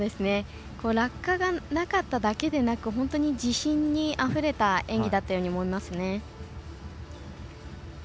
落下がなかっただけでなく本当に自信にあふれた演技だったように思いますね。